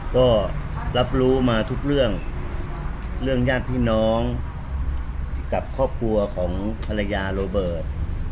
ก็รับรู้มาทุกเรื่องเรื่องญาติพี่น้องกับครอบครัวของภรรยาโรเบิร์ต